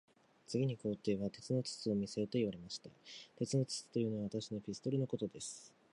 次に皇帝は、鉄の筒を見せよと言われました。鉄の筒というのは、私のピストルのことです。